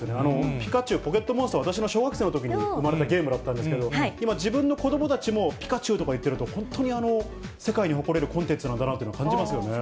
ピカチュウ、ポケットモンスター、私が小学生のときに生まれたゲームだったんですけど、今、自分の子どもたちもピカチュウとか言ってると、本当に世界に誇れるコンテンツなんだなと感じますよね。